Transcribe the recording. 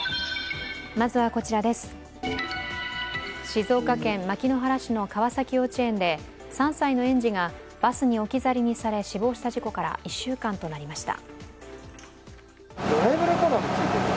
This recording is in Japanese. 静岡県牧之原市の川崎幼稚園で３歳の園児がバスに置き去りにされ死亡した事故から１週間となりました。